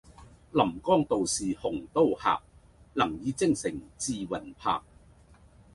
臨邛道士鴻都客，能以精誠致魂魄。